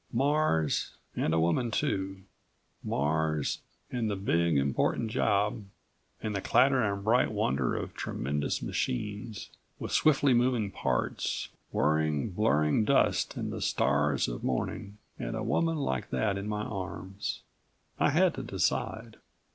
Mars and a woman too. Mars and the big, important job, and the clatter and bright wonder of tremendous machines, with swiftly moving parts, whirring, blurring, dust and the stars of morning, and a woman like that in my arms. I had to decide.